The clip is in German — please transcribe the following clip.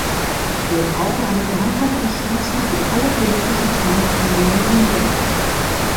Wir brauchen eine gemeinsame Entschließung über alle politischen Trennungslinien hinweg.